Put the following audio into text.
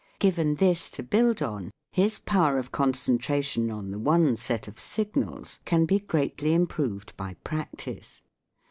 Given this to build on, his power of concentration on the one set of signals can be greatly improved by practice.